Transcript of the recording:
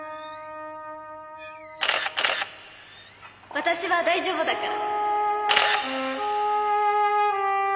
私は大丈夫だから。